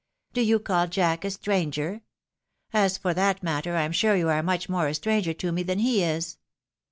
"Do you call Jack a stranger? As for that matter, I am sure you are much more a stranger to me than he is.